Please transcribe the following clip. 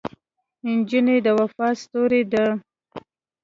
نجلۍ د وفا ستورې ده.